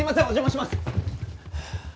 お邪魔します。